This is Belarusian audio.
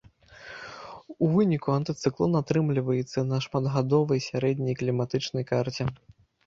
У выніку антыцыклон атрымліваецца і на шматгадовай сярэдняй кліматычнай карце.